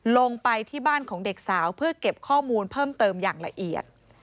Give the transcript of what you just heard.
ลงไปที่บ้านของเด็กสาวเพื่อเก็บข้อมูลเพิ่มเติมอย่างละเอียด